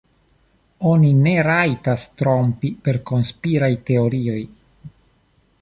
Oni ne rajtas trompi per konspiraj teorioj.